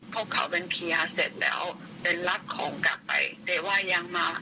พวกเขาเป็นเคลียร์เสร็จแล้วเป็นลักของกลับไปแต่ว่ายังมา